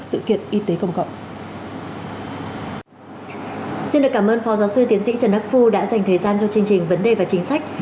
hòa giáo sư tiến sĩ trần đắc phu đã dành thời gian cho chương trình vấn đề và chính sách